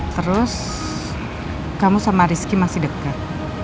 terus kamu sama rizky masih dekat